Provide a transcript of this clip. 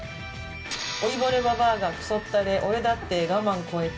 「老いぼれババアが‼クソったれ俺だって我慢超えた！